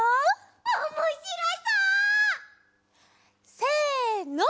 おもしろそう！せの！